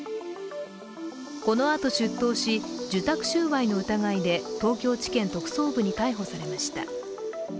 このあと出頭し、受託収賄の疑いで東京地検特捜部に逮捕されました。